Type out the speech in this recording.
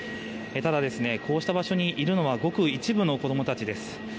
ただ、こうした場所にいるのはごく一部の子供たちです。